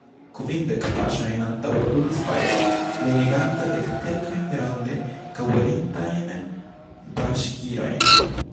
Kvindek paŝojn antaŭe brulis fajro, lumiganta dekkelkajn ronde kaŭrintajn baŝkirojn.